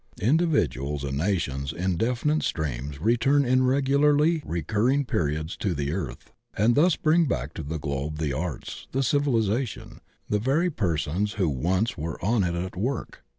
Individuals and nations in definite streams re turn in regularly recurring periods to the earth, and thus bring back to the globe the arts, the civilization, the very persons who once were on it at work.